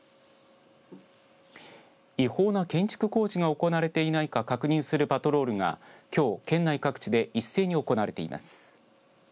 違法な建築工事が行われていないか確認するパトロールが、きょう県内各地で一斉に行われています。